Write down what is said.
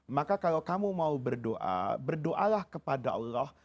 maka kalau kamu mau berdoa berdoalah kepada allah